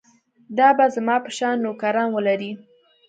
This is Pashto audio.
دا به زما په شان نوکران ولري.